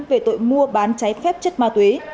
về tội mua bán cháy phép chất ma tuế